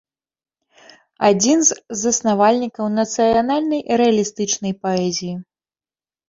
Адзін з заснавальнікаў нацыянальнай рэалістычнай паэзіі.